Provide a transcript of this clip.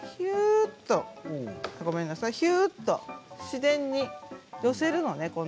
ひゅーっと自然に寄せるのね。